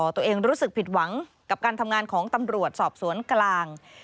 ตัวเองรู้สึกผิดหวังกับการทำงานของตำรวจสอบสวนกลาง